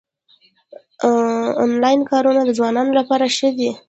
انلاین کارونه د ځوانانو لپاره ښه دي